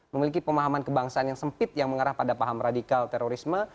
memiliki pemahaman kebangsaan yang sempit yang mengarah pada paham radikal terorisme